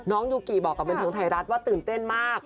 ยูกิบอกกับบันเทิงไทยรัฐว่าตื่นเต้นมาก